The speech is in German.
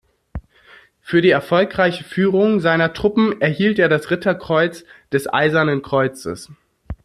Für die erfolgreiche Führung seiner Truppen erhielt er das Ritterkreuz des Eisernen Kreuzes.